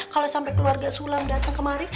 kalau sampai keluarga sulam datang kemari